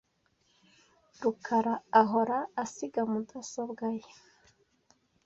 rukara ahora asiga mudasobwa ye .